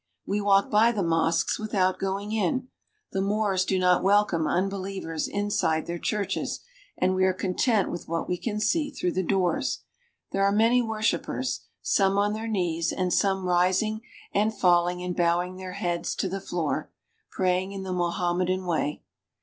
We walk by the mosques without going in. The Moors do not welcome unbelievers inside their churches, and we are content with what we can see through the doors. There are many worshipers ; some on their knees and some ris ing and falling and bowing their heads to the floor, praying in the Mohammedan way.